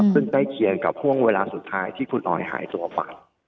ซึ่งใกล้เคียงกับห่วงเวลาสุดท้ายที่คุณออยหายตัวไป